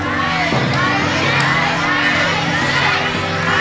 ใช้ใช้ใช้